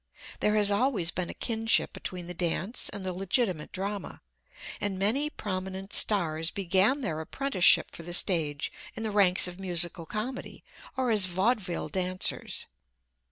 There has always been a kinship between the dance and the legitimate drama, and many prominent stars began their apprenticeship for the stage in the ranks of musical comedy or as vaudeville dancers.